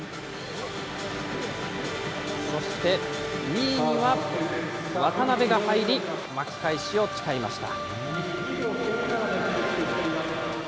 そして２位には渡辺が入り、巻き返しを誓いました。